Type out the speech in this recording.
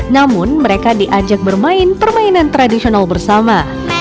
namun mereka diajak bermain permainan tradisional bersama